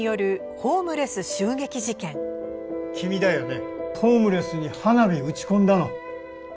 ホームレスに花火、打ち込んだの。